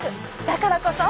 だからこそ！